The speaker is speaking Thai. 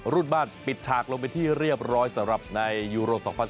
รุ่นบ้านปิดฉากลงไปที่เรียบร้อยสำหรับในยูโร๒๐๑๙